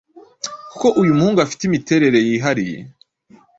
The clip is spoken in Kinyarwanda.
kuko uyu muhungu afite imiterere yihariye,